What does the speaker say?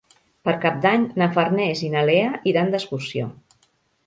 Per Cap d'Any na Farners i na Lea iran d'excursió.